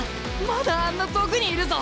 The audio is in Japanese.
まだあんな遠くにいるぞ！